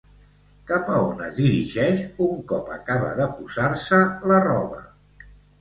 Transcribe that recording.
Cap a on es dirigeix un cop acaba de posar-se la roba?